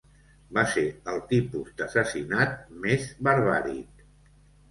Va ser el tipus d'assassinat més barbàric.